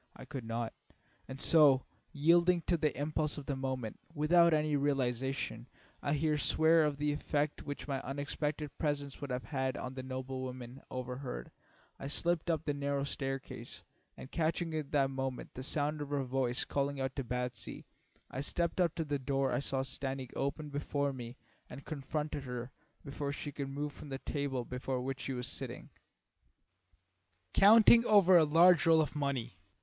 I could not, and so, yielding to the impulse of the moment, without any realisation, I here swear, of the effect which my unexpected presence would have on the noble woman overhead, I slipped up the narrow staircase, and catching at that moment the sound of her voice calling out to Batsy, I stepped up to the door I saw standing open before me and confronted her before she could move from the table before which she was sitting, counting over a large roll of money.